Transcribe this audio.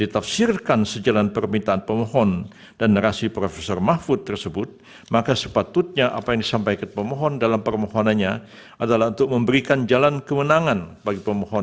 terima kasih terima kasih terima kasih